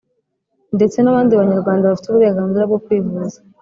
ndetse n’abandi banyarwanda bafite uburenganzira bwo kwivuza.